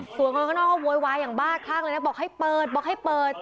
ส่วนคนข้างนอกก็โวยวายอย่างบ้าคลั่งเลยนะบอกให้เปิดบอกให้เปิด